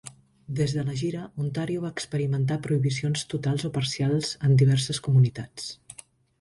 Des de la gira, Ontario va experimentar prohibicions totals o parcials en diverses comunitats.